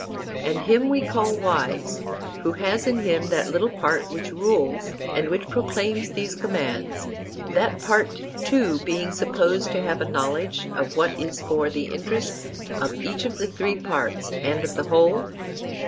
And him we call wise who has in him that little part which rules, and which proclaims these commands; that part too being supposed to have a knowledge of what is for the interest of each of the three parts and of the whole?